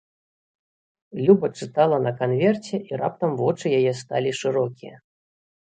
Люба чытала на канверце, і раптам вочы яе сталі шырокія.